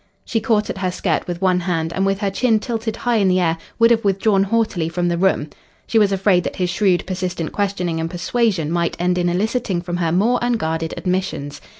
She caught at her skirt with one hand and with her chin tilted high in the air would have withdrawn haughtily from the room. She was afraid that his shrewd, persistent questioning and persuasion might end in eliciting from her more unguarded admissions.